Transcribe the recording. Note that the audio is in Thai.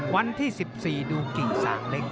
วันที่๑๔ดูกิ่งสางเล็ก